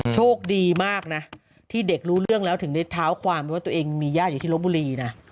โชคดีมากนะที่เด็กรู้เรื่องแล้วถึงได้เท้าความไปว่าตัวเองมีญาติอยู่ที่ลบบุรีนะ